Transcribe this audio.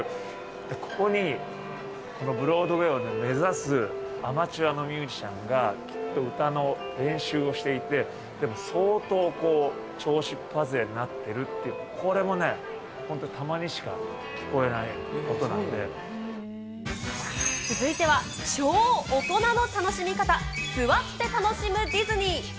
ここにこのブロードウェイを目指すアマチュアのミュージシャンが、きっと、歌の練習をしていて、でも相当、調子っぱずれになっているっていう、これもね、本当、続いては、超大人の楽しみ方、座って楽しむディズニー。